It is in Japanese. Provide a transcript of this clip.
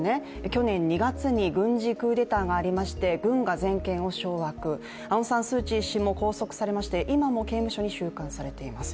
去年２月に軍事クーデターがありまして軍が全権を掌握、アウン・サン・スー・チー氏も拘束されまして今も刑務所に収監されています。